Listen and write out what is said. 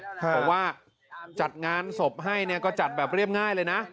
เพราะว่าจัดงานศพให้ก็จัดแบบเรียบง่ายเลยนะ